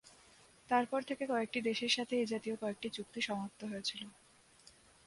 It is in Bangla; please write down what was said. তার পর থেকে কয়েকটি দেশের সাথে এ জাতীয় কয়েকটি চুক্তি সমাপ্ত হয়েছিল।